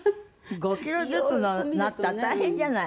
５キロずつのなったら大変じゃない。